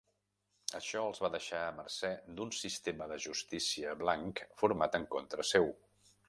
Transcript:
Això els va deixar a mercè d'un sistema de justícia blanc format en contra seu.